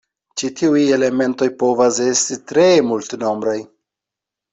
Ĉi tiuj elementoj povas esti tre multnombraj.